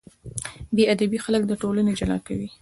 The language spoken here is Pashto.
بېادبي خلک له ټولنې جلا کوي.